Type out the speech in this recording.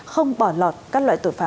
không bỏ lọt các loại tội phạm